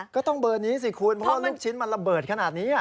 ก็ต้องเบอร์นี้สิคุณเพราะว่าลูกชิ้นมันระเบิดขนาดนี้